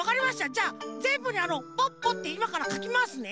じゃあぜんぶにあの「ポッポ」っていまからかきますね。